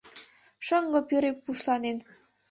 Шоҥго пӱрӧ пушланен